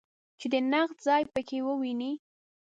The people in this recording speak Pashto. چې د نقد ځای په کې وویني.